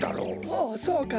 ああそうか。